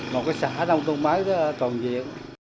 một cái xã nông thôn mới toàn diện